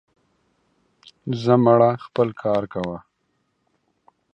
زه مړه, خپل کار کوه.